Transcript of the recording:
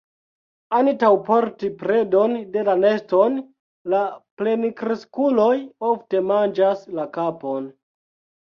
Antaŭ porti predon al la neston, la plenkreskuloj ofte manĝas la kapon.